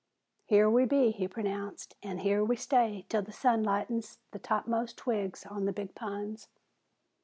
"Here we be," he pronounced, "an' here we stay 'til the sun lightens the topmost twigs on the big pines."